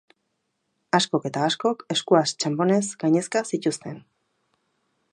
Askok eta askok eskuak txanponez gainezka zituzten.